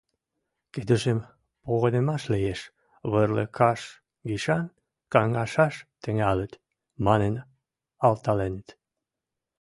Кыдыжым «Погынымаш лиэш, вырлыкаш гишӓн кӓнгӓшӓш тӹнгӓлӹт» манын алталенӹт